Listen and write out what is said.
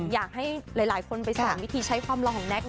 อยากให้หลายคนไปสอนวิธีใช้ความหล่อของแก๊กนะ